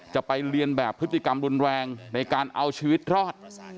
จะไปเรียนแบบพฤติกรรมรุนแรงในการเอาชีวิตรอด